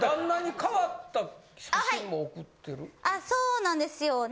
そうなんですよ。